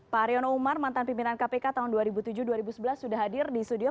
pak haryono umar mantan pimpinan kpk tahun dua ribu tujuh dua ribu sebelas sudah hadir di studio